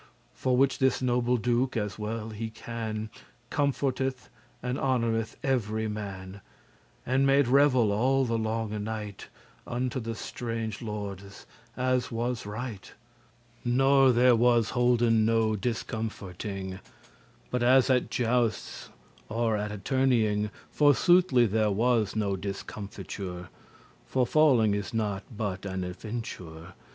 For which this noble Duke, as he well can, Comforteth and honoureth every man, And made revel all the longe night, Unto the strange lordes, as was right. Nor there was holden no discomforting, But as at jousts or at a tourneying; For soothly there was no discomfiture, For falling is not but an aventure*.